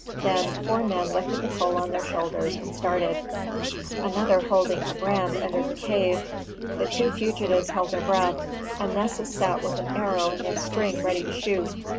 Then four men lifted the pole on their shoulders and started. Another holding a brand entered the cave. The two fugitives held their breath, and Nessus sat with an arrow in the string ready to shoot.